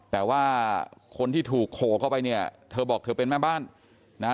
แต่ว่าคนที่ถูกโขกเข้าไปเนี่ยเธอบอกเธอเป็นแม่บ้านนะฮะ